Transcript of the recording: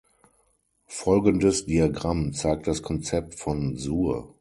Folgendes Diagramm zeigt das Konzept von Sur.